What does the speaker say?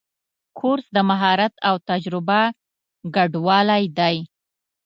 کورس د مهارت او تجربه ګډوالی دی.